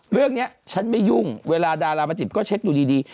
เรื่องนี้ฉันไม่ยุ่งเวลาดารามาจิบก็เช็คดูดี